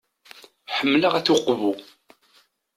Ḥemmleɣ At Uqbu.